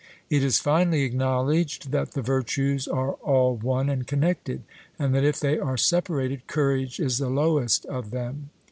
It is finally acknowledged that the virtues are all one and connected, and that if they are separated, courage is the lowest of them.